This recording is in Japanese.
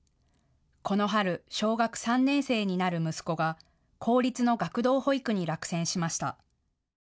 この春、小学３年生になる息子が公立の学童保育に落選しました。